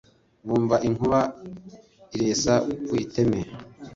Bumva inkuba ziresa ku iteme!